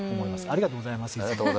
ありがとうございますいつも。